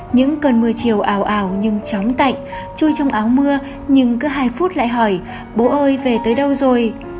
những cơn mưa chiều ảo nhưng chóng tạnh chui trong áo mưa nhưng cứ hai phút lại hỏi bố ơi về tới đâu rồi